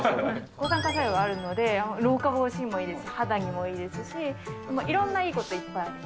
抗酸化作用があるので、老化防止にもいいです、肌にもいいですし、いろんないいこといっぱいあります。